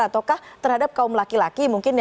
ataukah terhadap kaum laki laki mungkin